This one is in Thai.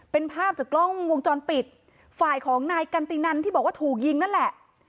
เป็นภาพจากกล้องวงจรปิดฝ่ายของนายกันตินันที่บอกว่าถูกยิงนั่นแหละ